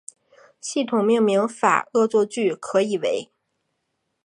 系统命名法恶作剧可以为